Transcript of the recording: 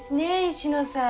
石野さん。